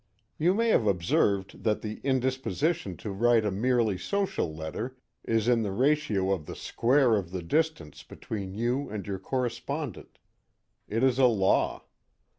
You may have observed that the indisposition to write a merely social letter is in the ratio of the square of the distance between you and your correspondent. It is a law.